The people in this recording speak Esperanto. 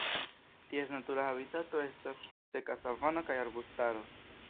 Ties natura habitato estas seka savano kaj arbustaro.